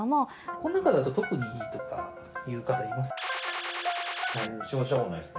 この中だと特にとかいう方います？